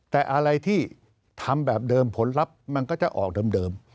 แต่อะไรที่ทำแบบเดิมผลลัพธ์มันก็จะออกเดิม